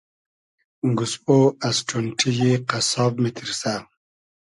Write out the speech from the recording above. گۉسپۉ از ݖونݖی یی قئسساب میتیرسۂ